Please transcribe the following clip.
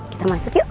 kita masuk yuk